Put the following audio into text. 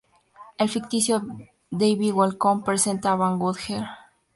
El ficticio David Welcome presenta a "Van Gogh Ear".